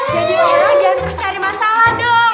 jadi orang jangan terus cari masalah dong